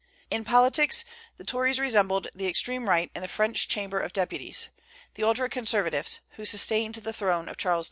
In politics the Tories resembled the extreme Right in the French Chamber of Deputies, the ultra conservatives, who sustained the throne of Charles X.